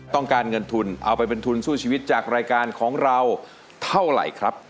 ต้องการเงินทุนเอาไปเป็นทุนสู้ชีวิตจากรายการของเราเท่าไหร่ครับ